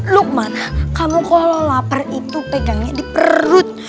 lukman kamu kalau lapar itu pegangnya di perut